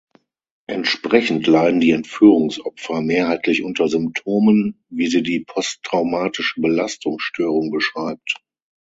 Entsprechend leiden die Entführungsopfer mehrheitlich unter Symptomen, wie sie die posttraumatische Belastungsstörung beschreibt.